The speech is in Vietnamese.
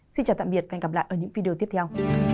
xin chào tạm biệt và hẹn gặp lại ở những video tiếp theo